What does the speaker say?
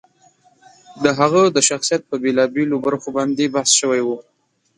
د هغه د شخصیت په بېلا بېلو برخو باندې بحث شوی و.